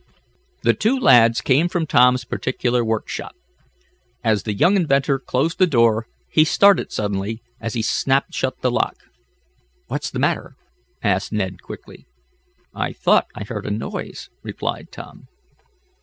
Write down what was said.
The two lads came from Tom's particular workshop. As the young inventor closed the door he started suddenly, as he snapped shut the lock. "What's the matter?" asked Ned quickly. "I thought I heard a noise," replied Tom.